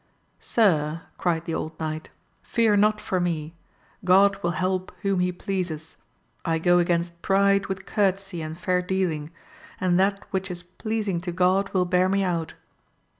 Sir, cried the old knight, fear not for me ; God will help whom he pleases ; I go against pride with courtesy and fair dealing, and that which is pleas ing to God will bear me out.